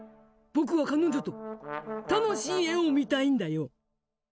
僕は彼女と楽しい絵を見たいんだよ。